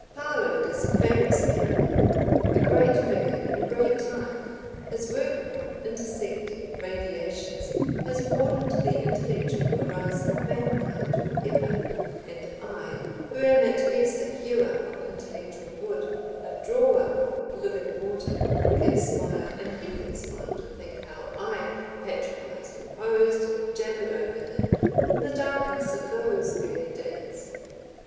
Parload is a famous man now, a great figure in a great time, his work upon intersecting radiations has broadened the intellectual horizon of mankind for ever, and I, who am at best a hewer of intellectual wood, a drawer of living water, can smile, and he can smile, to think how I patronized and posed and jabbered over him in the darkness of those early days.